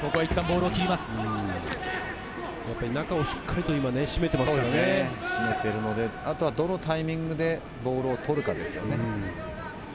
中をしっかりと締めていまあとはどのタイミングでボールを取るかですね。